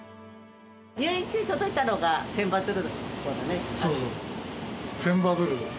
入院中に届いたのが千羽鶴だそうそうそう。